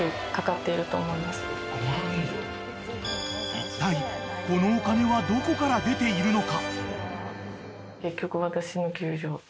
［いったいこのお金はどこから出ているのか］